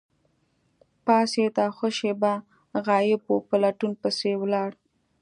پاڅید او ښه شیبه غایب وو، په لټون پسې ولاړ.